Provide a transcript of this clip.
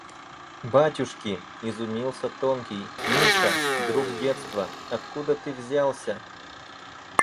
— Батюшки! — изумился тонкий.— Миша! Друг детства! Откуда ты взялся?